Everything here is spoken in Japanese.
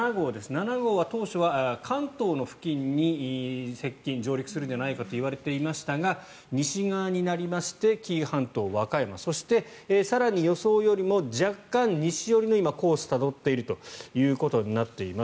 ７号は当初の関東の付近に接近・上陸するんじゃないかといわれていましたが西側になりまして紀伊半島、和歌山そして更に予想よりも若干西寄りのコースを今、たどっているということになります。